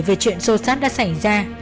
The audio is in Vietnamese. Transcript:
về chuyện sâu sát đã xảy ra